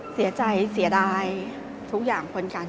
เสียใจเสียดายทุกอย่างคนกัน